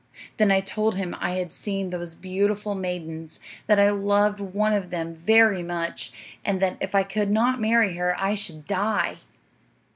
Then I told him I had seen those beautiful maidens, that I loved one of them very much, and that if I could not marry her I should die.